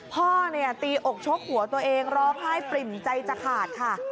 พ่อเนี่ยตีอกชกหัวตัวเองรอไข้ปริมใจจะขาดค่ะ